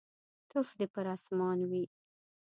توف دي پر اسمان وي.